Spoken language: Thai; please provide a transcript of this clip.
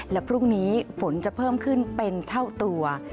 และพรุ่งนี้ฝนจะเพิ่มขึ้นเป็นเท่าตัว